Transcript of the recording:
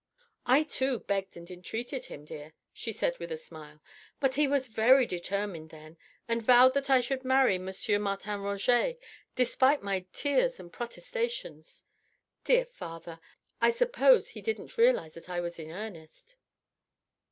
"I too begged and entreated him, dear," she said with a smile, "but he was very determined then and vowed that I should marry M. Martin Roget despite my tears and protestations. Dear father! I suppose he didn't realise that I was in earnest."